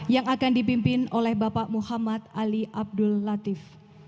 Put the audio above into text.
yang akan dipimpin oleh bapak muhammad ali abdul latif